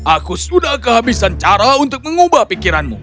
aku sudah kehabisan cara untuk mengubah pikiranmu